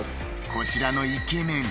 こちらのイケメン